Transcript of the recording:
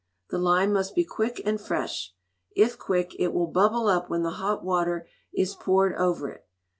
The lime must be quick and fresh; if quick, it will bubble up when the hot water is poured over it.